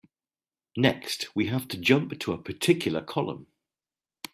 Next, we have to jump to a particular column.